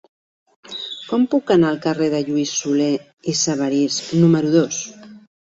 Com puc anar al carrer de Lluís Solé i Sabarís número dos?